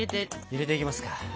入れていきますか。